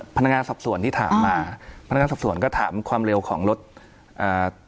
พนักงานสอบสวนที่ถามมาพนักงานสอบสวนก็ถามความเร็วของรถอ่า